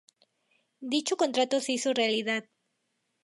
Dicho contrato se hizo realidad.